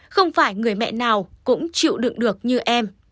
không phải người mẹ nào cũng chịu đựng được như em